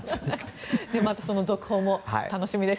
また、その続報も楽しみです。